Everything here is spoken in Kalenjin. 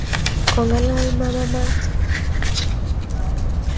Kagolaal mama maat